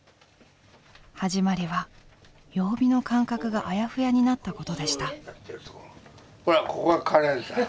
始まりは曜日の感覚があやふやになったことでした。